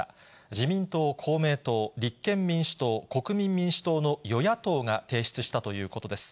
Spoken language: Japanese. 自民党、公明党、立憲民主党、国民民主党の与野党が提出したということです。